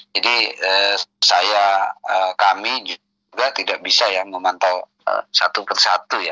jadi saya kami juga tidak bisa ya memantau satu persatu ya